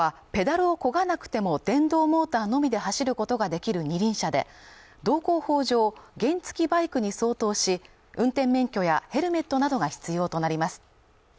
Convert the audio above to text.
モペットはペダルをこがなくても電動モーターのみで走ることができる二輪車で道交法上、原付きバイクに相当し運転免許やヘルメットなどが必要となります